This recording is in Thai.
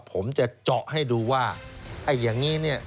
ผมจะเจาะให้ดูว่าไอ้อย่างนี้เนี่ย